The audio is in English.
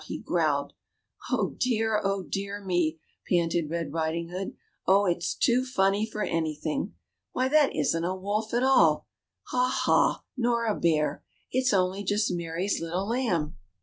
he growled. Oh, dear! oh, dear me!" panted Red Riding hood; ^^oh! it's too funny for anything. AA^hy, that isn't a wolf at all ; ha, ha ! nor a bear ! it's only just Mary's Little Lamb."